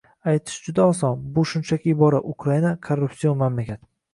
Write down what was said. Aytish juda oson, bu shunchaki ibora: Ukraina - korruptsion mamlakat